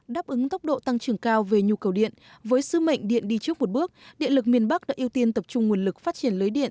đáp ứng tốc độ tăng trưởng cao về nhu cầu điện với sứ mệnh điện đi trước một bước điện lực miền bắc đã ưu tiên tập trung nguồn lực phát triển lưới điện